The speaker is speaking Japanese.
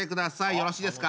よろしいですか？